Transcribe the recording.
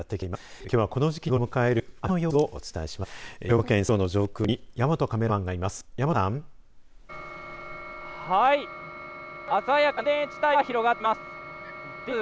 きょうはこの時期に見頃を迎えるある花の様子をお伝えします。